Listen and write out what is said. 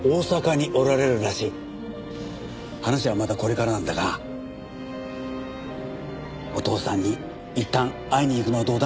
話はまだこれからなんだがお父さんにいったん会いに行くのはどうだ？